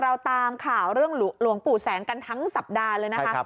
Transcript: เราตามข่าวเรื่องหลวงปู่แสงกันทั้งสัปดาห์เลยนะคะ